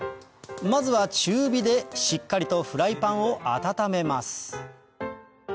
まずは中火でしっかりとフライパンを温めます